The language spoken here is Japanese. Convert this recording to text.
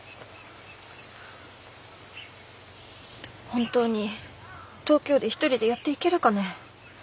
本当に東京で一人でやっていけるかね。